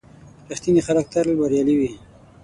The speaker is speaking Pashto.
• رښتیني خلک تل بریالي وي.